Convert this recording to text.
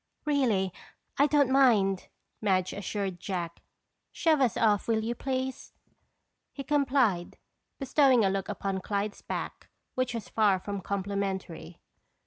"Really, I don't mind," Madge assured Jack. "Shove us off, will you, please?" He complied, bestowing a look upon Clyde's back which was far from complimentary.